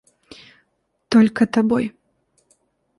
Только тобой.